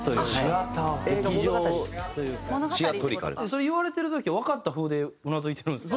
それ言われてる時はわかった風でうなずいてるんですか？